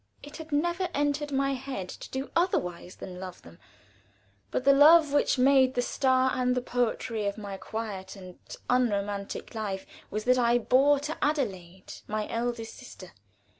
It had never entered my head to do otherwise than love them, but the love which made the star and the poetry of my quiet and unromantic life was that I bore to Adelaide, my eldest sister.